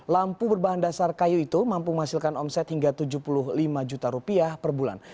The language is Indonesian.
lampu berbahan dasar kayu itu mampu menghasilkan omset hingga tujuh puluh lima juta rupiah per bulan